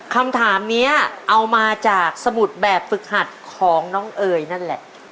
คำถามนี้เอามาจากสมุดแบบฝึกหัดของน้องเอ๋ยนั่นแหละ